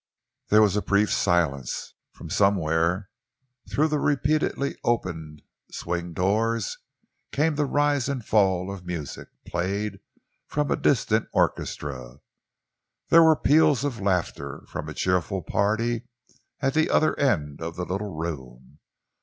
There was a brief silence. From somewhere through the repeatedly opened swing doors came the rise and fall of music, played from a distant orchestra. There were peals of laughter from a cheerful party at the other end of the little room.